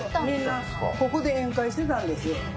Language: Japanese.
みんなココで宴会してたんですよ